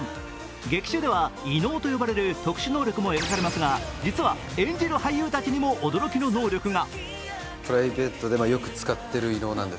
劇中では異能と呼ばれる特殊能力も描かれますが実は演じる俳優たちにも驚きの能力が。